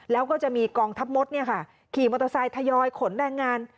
แล้วก็จะมีกองทัพมดขี่มอเตอร์ไซค์ทยอยขนแรงงาน